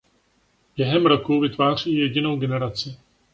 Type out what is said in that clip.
Během roku vytváří jedinou generaci.